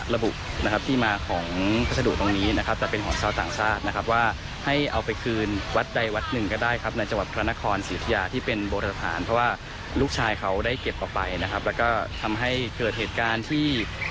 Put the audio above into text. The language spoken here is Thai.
ลูกชายเขาได้เก็บต่อไปนะครับแล้วก็ทำให้เกิดเหตุการณ์ที่